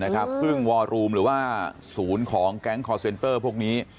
ซึ่งวอรูมหรือว่าศูนย์ของแก๊งคอร์เซนเตอร์พวกนี้